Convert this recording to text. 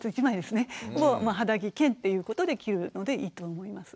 肌着兼ということで着るのでいいと思います。